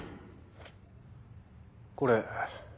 これ。